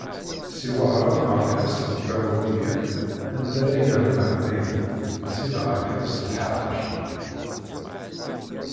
Seg Wahṛen ɣer lḥebs n Beṛwagiya anda ara yernu εamayen, syin ɣer lḥebs Lḥaṛṛac.